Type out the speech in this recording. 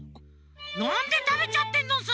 なんでたべちゃってんのさ！